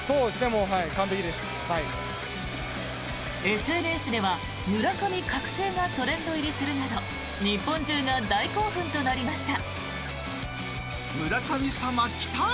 ＳＮＳでは「村神覚醒」がトレンド入りするなど日本中が大興奮となりました。